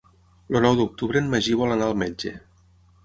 El nou d'octubre en Magí vol anar al metge.